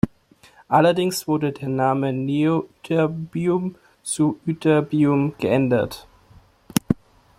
Allerdings wurde der Name Neo-ytterbium zu Ytterbium geändert.